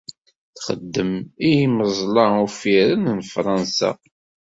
Txeddem i imeẓla uffiren n Fransa.